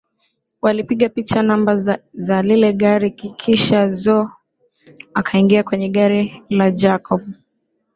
Walipiga picha namba za lile gari kisha Zo akaingia kwenye gari la Jacob